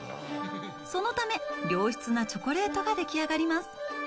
そのため、良質なチョコレートができ上がります。